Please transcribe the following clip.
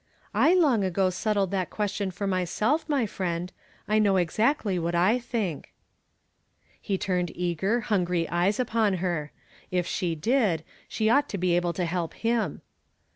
"I long ago settled that question for myself, my friend. I know exactly what I think," He turned eager, hungry eyes upon her. If she 4id, she ought to be able to help him